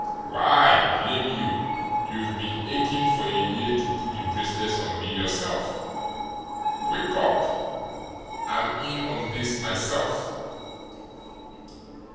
Why, blame you, you've been aching for a year to put the bracelets on me yourself! Say, wake up! I'm in on this myself."